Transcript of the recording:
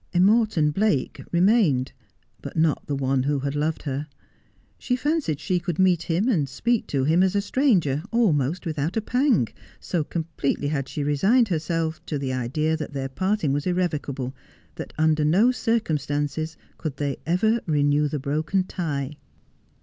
A Morton Blake remained, but not the one who had loved her. She fancied she could meet him and speak to him as to a stranger, almost without a pang ; so completely had she resigned herself to the idea that their parting was irrevocable, that under no circumstances could they ever renew the broken tie.